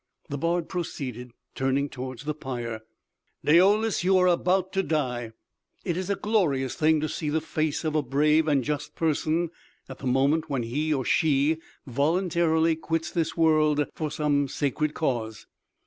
The bard proceeded, turning towards the pyre: "Daoulas, you are about to die! It is a glorious thing to see the face of a brave and just person at the moment when he or she voluntarily quits this world for some sacred cause.